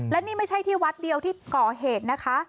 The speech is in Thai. และนี่ไม่ใช่ที่วัดเดียวที่ก่อเหตุนะคะ